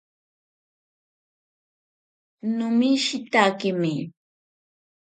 Nomishitakemi.